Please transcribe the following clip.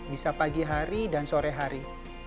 bisa pagi hari dan sore hari